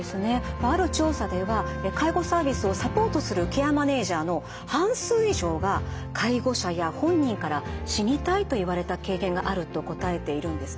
まあある調査では介護サービスをサポートするケアマネージャーの半数以上が介護者や本人から「死にたい」と言われた経験があると答えているんですね。